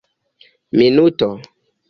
minuto